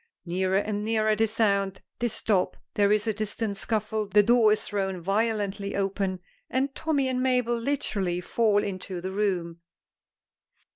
Nearer and nearer they sound; they stop, there is a distant scuffle, the door is thrown violently open, and Tommy and Mabel literally fall into the room.